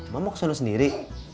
mau mau kesana sendiri